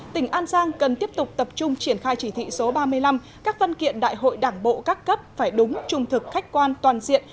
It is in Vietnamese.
tỉnh an giang cần tiếp tục tập trung triển khai chỉ thị số ba mươi năm các văn kiện đại hội đảng bộ các cấp phải đúng trung thực khách quan toàn diện